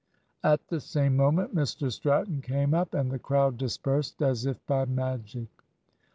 At the same moment Mr Stratton came up, and the crowd dispersed as if by magic.